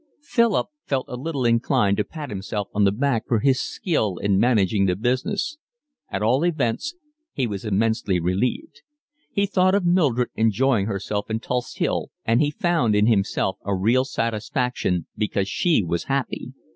Philip felt a little inclined to pat himself on the back for his skill in managing the business. At all events he was immensely relieved. He thought of Mildred enjoying herself in Tulse Hill, and he found in himself a real satisfaction because she was happy.